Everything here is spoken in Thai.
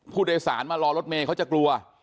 ผู้โดยสารมารอรถเมย์เขาจะกลัว